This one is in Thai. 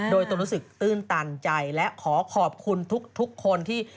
โดยตนรู้สึกตื้นตันใจและขอขอบคุณทุกคนที่